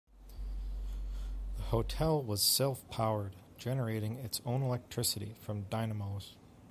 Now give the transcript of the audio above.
The hotel was self-powered, generating its own electricity from dynamos.